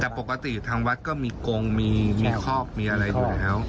แต่ปกติทางวัดก็มีกงมีคอกมีอะไรอยู่แล้ว